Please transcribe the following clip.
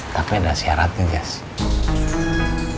tapi ada syaratnya jess